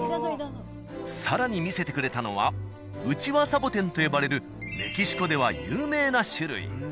更に見せてくれたのはウチワサボテンと呼ばれるメキシコでは有名な種類。